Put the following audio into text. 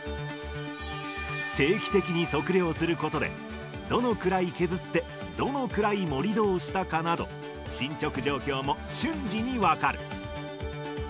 定期的に測量することで、どのくらい削って、どのくらい盛り土をしたかなど、進捗状況も瞬時に分かる。